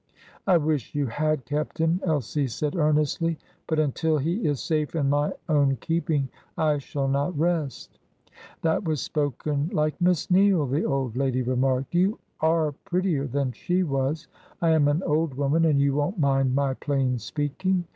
"I wish you had kept him," Elsie said earnestly. "But until he is safe in my own keeping I shall not rest." "That was spoken like Miss Neale," the old lady remarked. "You are prettier than she was; I am an old woman, and you won't mind my plain speaking.